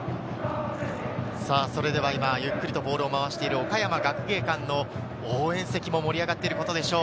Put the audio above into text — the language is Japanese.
それでは今ゆっくりとボールを回している岡山学芸館の応援席も盛り上がっていることでしょう。